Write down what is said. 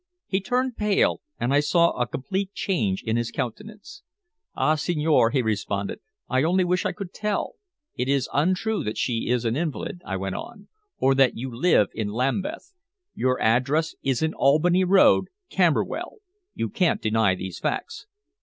He turned pale, and I saw a complete change in his countenance. "Ah, signore!" he responded, "I only wish I could tell." "It is untrue that she is an invalid," I went on, "or that you live in Lambeth. Your address is in Albany Road, Camberwell. You can't deny these facts."